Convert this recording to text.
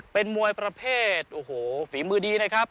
เป็นมวยประเภทโอ้โหฝีมือดีนะครับ